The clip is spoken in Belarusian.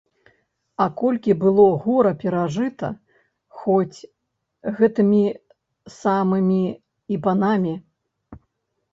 А колькі было гора перажыта хоць гэтымі самымі і панамі.